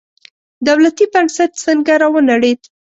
دولتي بنسټ څنګه راونړېد.